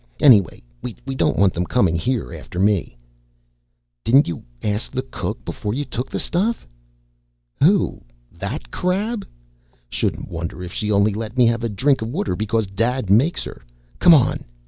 Anyway, we don't want them coming here after me." "Didn't you ask the cook before you took this stuff?" "Who? That crab? Shouldn't wonder if she only let me have a drink of water because Dad makes her. Come on.